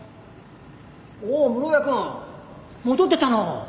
おお室屋くん。戻ってたの。